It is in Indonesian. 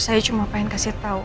saya cuma pengen kasih tahu